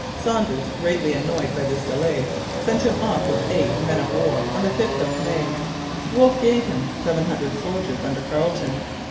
Saunders, greatly annoyed by this delay, sent him off with eight men of war on the 5th of May. Wolfe gave him seven hundred soldiers under Carleton.